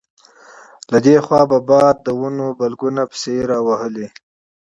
له دې خوا به باد د ونو په بلګو پسې راوهلې.